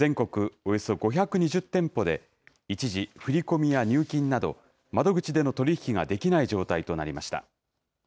およそ５２０店舗で、一時、振り込みや入金など、窓口での取り引きができない状態となりました。